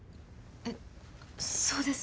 えっそうです。